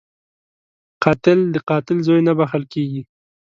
قاتل د قاتل زوی نه بخښل کېږي